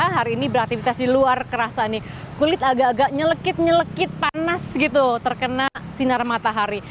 hari ini beraktivitas di luar kerasa nih kulit agak agak nyelekit nyelekit panas gitu terkena sinar matahari